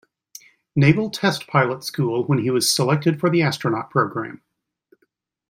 Naval Test Pilot School when he was selected for the astronaut program.